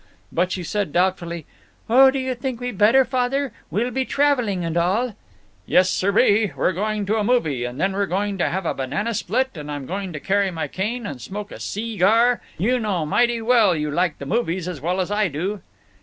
But she said, doubtfully, "Oh, do you think we better, Father? We'll be traveling and all " "Yes sir ee! We're going to a movie, and then we're going to have a banana split, and I'm going to carry my cane and smoke a seegar. You know mighty well you like the movies as well as I do."